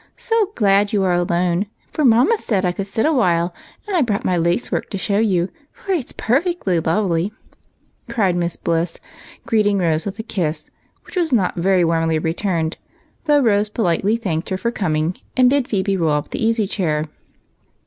So glad you are alone, for mamma said I could sit awhile, and I brought my lace work to show you, for it 's perfectly lovely," cried Miss Bliss, greeting Rose with a kiss, which was not very warmly returned, though Rose politely thanked her for com ing, and bid Phebe roll up the easy chair.